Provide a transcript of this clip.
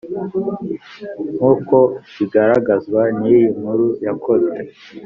Nk uko bigaragazwa n iyi nkuru yakozwe